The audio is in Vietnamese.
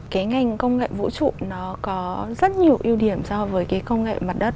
cái ngành công nghệ vũ trụ nó có rất nhiều ưu điểm so với cái công nghệ mặt đất